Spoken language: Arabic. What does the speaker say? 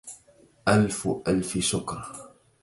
ألف ألف شكر.